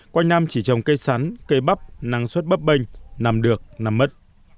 quanh năm chỉ trồng cây sắn cây bắp nắng suất bắp bênh nằm được nằm mất